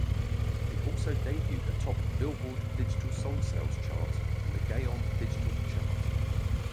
It also debuted atop "Billboard" Digital Songs Sales chart and the Gaon Digital Chart.